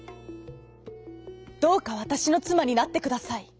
「どうかわたしのつまになってください」。